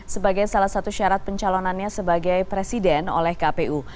sebagai salah satu syarat pencalonannya sebagai presiden oleh kpu